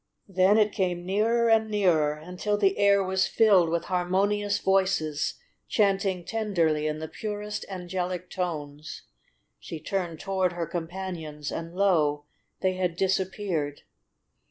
Then it came nearer and nearer until the air was filled with harmonious voices chanting tenderly in the purest angelic tones. She turned toward her companions and lo! they had disappeared.